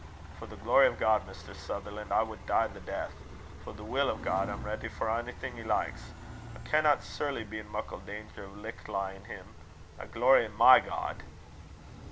For the glory o' God, Mr. Sutherlan', I wad die the deith. For the will o' God, I'm ready for onything he likes. I canna surely be in muckle danger o' lichtlyin' him. I glory in my God."